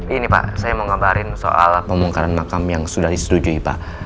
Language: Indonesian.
ini pak saya mau ngabarin soal pembongkaran makam yang sudah disetujui pak